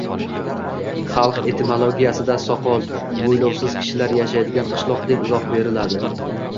Xalq etimologiyasida soqol, mo‘ylovsiz kishilar yashaydigan qishloq deb izoh beriladi.